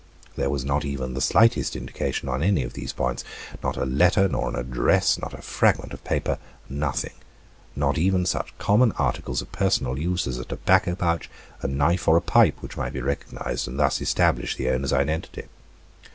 There was not even the slightest indication on any of these points, not a letter, nor an address, not a fragment of paper, nothing not even such common articles of personal use, as a tobacco pouch, a knife, or a pipe which might be recognized, and thus establish the owner's identity.